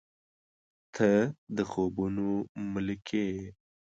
• ته د خوبونو ملکې یې.